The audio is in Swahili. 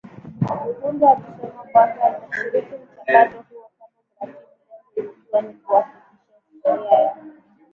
Ruhundwa amesema Kwanza inashiriki mchakato huo kama mratibu lengo likiwa ni kuhakikisha historia ya